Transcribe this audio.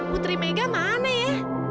putri mega mana ya